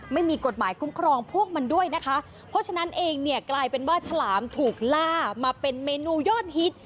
ไม่มีกฎหมายคุ้มครองพวกมันด้วยนะคะเพราะฉะนั้นเองเนี่ยกลายเป็นว่าฉลามถูกล่ามาเป็นเมนูยอดฮิต